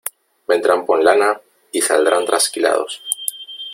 Vendrán por lana y saldrán trasquilados.